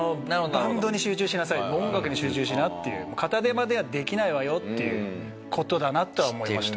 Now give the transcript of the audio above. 「バンドに集中しなさい」「音楽に集中しな」っていう「片手間ではできないわよ」っていう事だなとは思いました